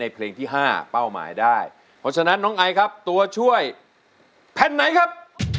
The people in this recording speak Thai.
เพราะฉะนั้นน้องไอครับตัวช่วยแผ่นไหนครับ